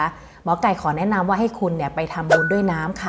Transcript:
หมอไก่ขอแนะนำว่าให้คุณไปทำบุญด้วยน้ำค่ะ